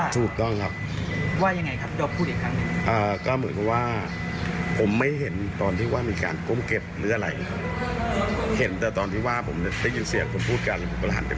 คือให้การแบบนี้ได้แต่ภาพ๗แล้วว่า